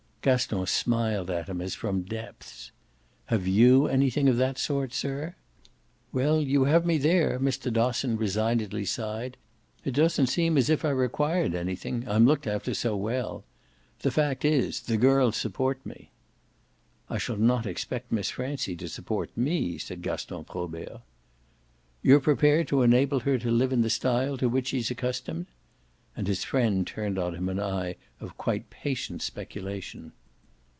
Gaston smiled at him as from depths. "Have YOU anything of that sort, sir?" "Well, you have me there!" Mr. Dosson resignedly sighed. "It doesn't seem as if I required anything, I'm looked after so well. The fact is the girls support me." "I shall not expect Miss Francie to support me," said Gaston Probert. "You're prepared to enable her to live in the style to which she's accustomed?" And his friend turned on him an eye as of quite patient speculation.